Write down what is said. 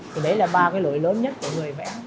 thì đấy là ba cái lỗi lớn nhất của người vẽ